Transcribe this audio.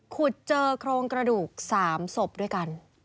ขุดเจอโครงกระดูก๓ศพด้วยกัน